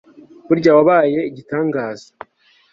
burya wabaye igitangaza